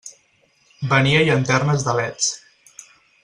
Venia llanternes de leds.